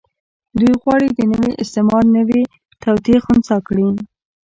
دوی غواړي د نوي استعمار نوې توطيې خنثی کړي.